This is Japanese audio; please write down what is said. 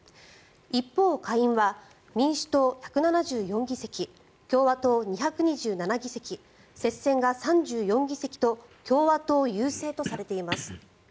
一方、下院は民主党１７４議席共和党２２７議席接戦が３４議席と共和党優勢とされています。